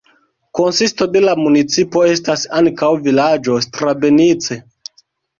Konsisto de la municipo estas ankaŭ vilaĝo Strabenice.